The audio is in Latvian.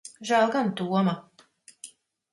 Žēl gan Toma.